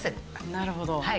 なるほど。